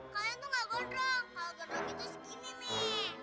kalau gondrong itu segini